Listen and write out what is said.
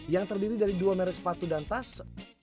yang terdiri dari dua merek sepatu dan tas